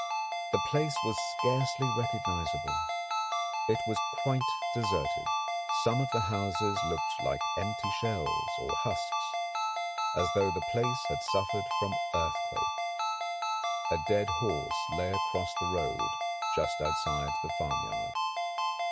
The place was scarcely recognisable. It was quite deserted; some of the houses looked like empty shells or husks, as though the place had suffered from earthquake. A dead horse lay across the road just outside the farmyard.